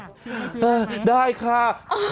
โต๋ปว่ามั้ย